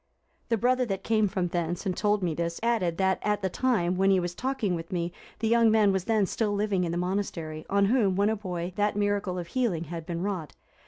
The brother that came from thence, and told me this, added, that at the time when he was talking with me, the young man was then still living in the monastery, on whom, when a boy, that miracle of healing had been wrought.